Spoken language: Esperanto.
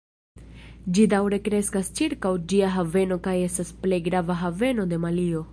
Ĝi daŭre kreskas ĉirkaŭ ĝia haveno kaj estas plej grava haveno de Malio.